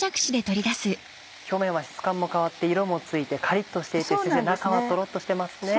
表面は質感も変わって色もついてカリっとしていて先生中はトロっとしてますね。